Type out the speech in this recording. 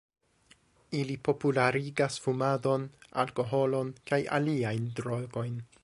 Ili popularigas fumadon, alkoholon kaj aliajn drogojn.